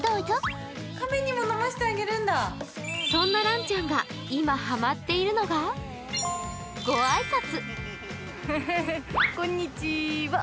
そんならんちゃんが今ハマっているのがご挨拶。